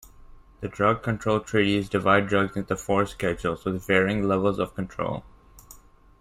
The drug control treaties divide drugs into four Schedules with varying levels of control.